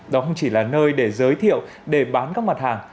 đó không chỉ là nơi để giới thiệu để bán các mặt hàng